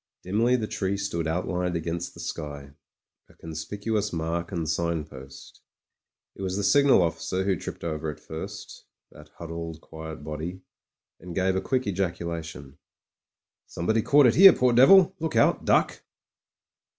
Dimly the tree stood outlined against the sky — 3, conspicuous mark and signpost. It was the signal officer who tripped over it first — ^that huddled quiet body, and gave a quick ejaculation. "Somebody caught it here, poor devil. Look out — duck."